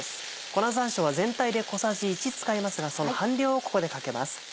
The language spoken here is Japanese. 粉山椒は全体で小さじ１使いますがその半量をここでかけます。